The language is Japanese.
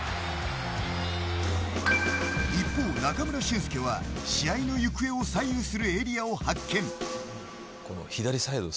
一方、中村俊輔は試合の行方を左右するエリアを発見。